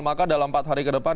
maka dalam empat hari ke depan